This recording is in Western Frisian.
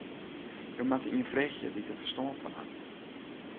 Jo moatte ien freegje dy't dêr ferstân fan hat.